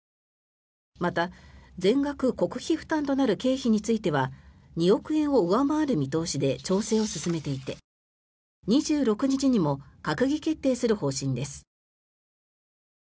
また、全額国費負担となる経費については２億円を上回る見通しで調整を進めていて２６日にも閣議決定する方針です。